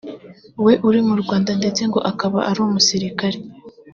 we uri mu Rwanda ndetse ngo akaba ari umusirikare